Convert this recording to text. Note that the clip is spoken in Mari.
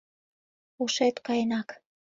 Ушет каенак!